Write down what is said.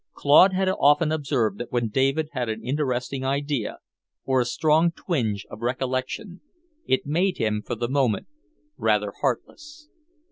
Claude had often observed that when David had an interesting idea, or a strong twinge of recollection, it made him, for the moment, rather heartless.